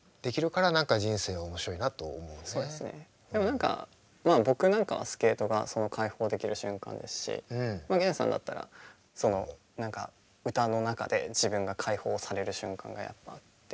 何か僕なんかはスケートがその開放できる瞬間ですし源さんだったらその何か歌の中で自分が開放される瞬間がやっぱあって。